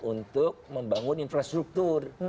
untuk membangun infrastruktur